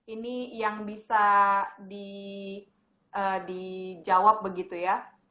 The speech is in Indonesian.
ini yang bisa dijawab begitu ya